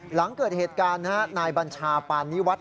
หลังเกิดเหตุการณ์นายบัญชาปานิวัฒน